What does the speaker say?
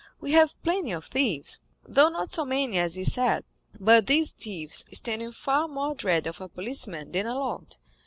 We have plenty of thieves, though not so many as is said; but these thieves stand in far more dread of a policeman than a lord.